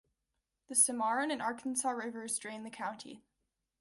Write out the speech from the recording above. The Cimarron and Arkansas Rivers drain the county.